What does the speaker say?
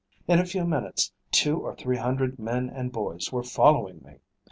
] In a few minutes two or three hundred men and boys were following me.